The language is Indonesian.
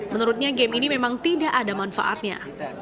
menurutnya game ini memang tidak ada manfaatnya